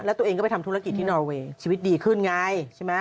แล้วตัวเองก็ไปทำธุรกิจที่นอเวย์ชีวิตดีขึ้นไงใช่ไหม